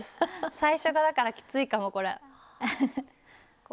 最初がだからきついかもこれ。